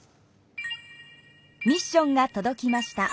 ミッションがとどきました。